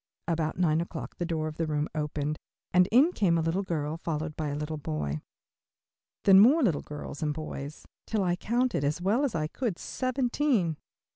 About nine o'clock the door of the room opened and in came a little girl, followed by a little boy. Then more little girls and boys, till I counted, as well as I could, seventeen.